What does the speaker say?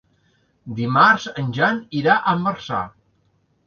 Dimarts en Jan irà a Marçà.